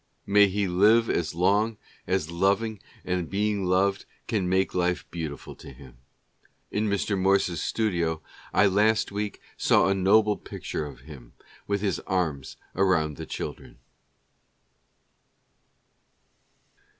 May he live as long as loving and being loved can make life beautiful to him ! In Mr. Morse's studio I last week saw a noble picture of him with his arms around the children.